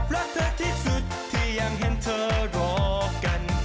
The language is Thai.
รักเธอที่สุดที่ยังเห็นเธอรอกัน